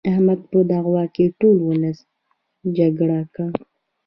احمد په دعوه کې ټول ولس چرګه کړ.